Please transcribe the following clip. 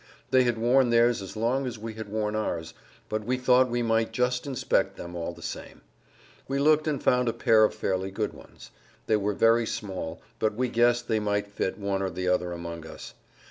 They had worn theirs as long as we had worn ours, but we thought we might just inspect them all the same. We looked and found a pair of fairly good ones. They were very small, but we guessed they might fit one or the other amongst us.